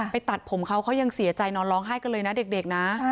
ตัดผมเขายังเสียใจนอนร้องไห้กันเลยนะเด็กนะ